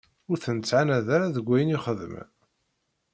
Ur ten-ttɛannad ara deg wayen i xeddmen.